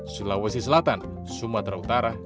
sulawesi selatan sumatera utara